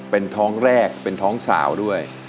เป็นท้องแรกเป็นท้องสาวด้วย